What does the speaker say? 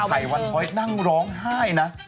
ไทวันพ้อยนั่งร้องไห้นะ